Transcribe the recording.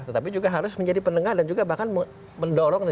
tetapi juga harus menjadi penengah dan juga bahkan mendorong